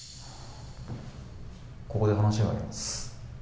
ここで話があります。